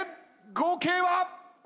合計は！